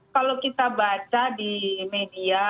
kalau kita baca di media